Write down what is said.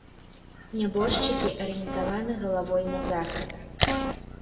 Нябожчыкі арыентаваны галавой на захад.